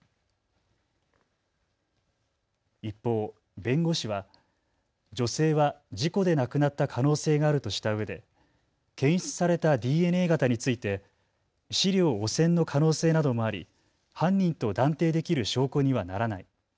一方、弁護士は女性は事故で亡くなった可能性があるとしたうえで検出されたＤＮＡ型について資料汚染の可能性などもあり犯人と断定できる証拠にはならない。